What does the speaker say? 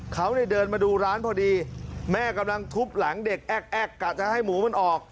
เขาเนี่ยเดินมาดูร้านพอดีแม่กำลังทุบหลังเด็กแอ๊กกะจะให้หมูมันออก